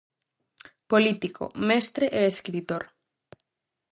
Político, mestre e escritor.